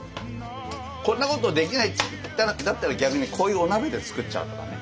こんなことできないんだったら逆にこういうお鍋で作っちゃうとかね。